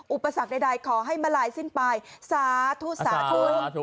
อุปสรรคใดขอให้มาลายสิ้นไปสาธุสาธุ